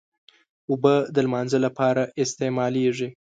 اوبه د لمانځه لپاره استعمالېږي.